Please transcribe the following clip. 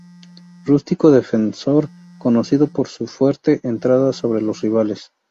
Rústico defensor, conocido por su fuerte entrada sobre los rivales.